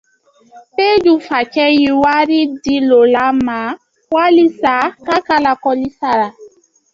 Péju facɛ ye wari di Lola ma walisa k’a ka lakɔli sara.